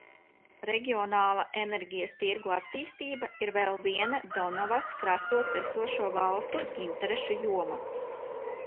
Reģionāla enerģijas tirgus attīstība ir vēl viena Donavas krastos esošo valstu interešu joma.